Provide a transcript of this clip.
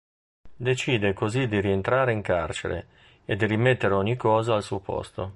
Decide così di rientrare in carcere, e di rimettere ogni cosa al suo posto.